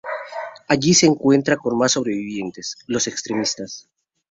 Allí se encuentra con más sobrevivientes: los extremistas.